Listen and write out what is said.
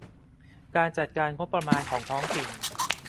การจัดการงบประมาณของท้องถิ่น